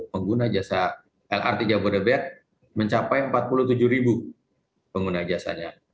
pengguna jasa lrt jabodebek mencapai empat puluh tujuh ribu pengguna jasanya